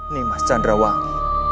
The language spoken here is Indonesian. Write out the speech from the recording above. nih mas jandrawangi